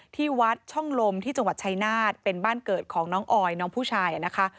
ที่วัดช่องลมที่จังหวัดชายนาฏเป็นบ้านเกิดของน้องออยน้องผู้ชายนะคะ